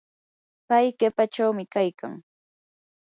pay qipachawmi kaykan.